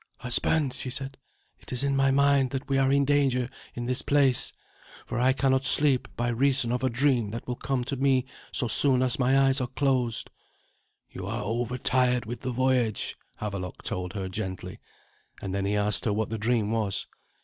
"Husband," she said, "it is in my mind that we are in danger in this place; for I cannot sleep by reason of a dream that will come to me so soon as my eyes are closed." "You are overtired with the voyage," Havelok told her gently; and then he asked her what the dream was.